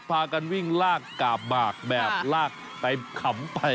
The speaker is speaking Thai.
พากันวิ่งลากกาบหมากแบบลากไปขำไป